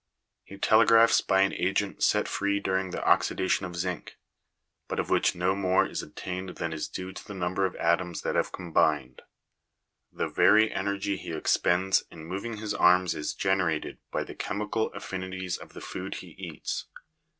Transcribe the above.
He telegraphs by an agent set free during the oxidation of zinc ; but of which no more is obtained than is due to the number of atoms that have combined. The very energy he expends in moving his arm is generated by the chemical affinities of the food he eats.